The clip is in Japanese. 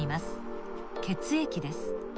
血液です。